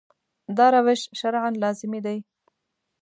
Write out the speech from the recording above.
دا روش شرعاً لازمي دی.